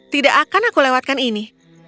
tidak akan aku lewatkan ini